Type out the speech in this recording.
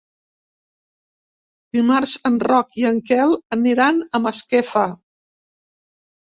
Dimarts en Roc i en Quel aniran a Masquefa.